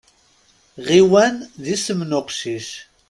Ɣiwan d isem n uqcic.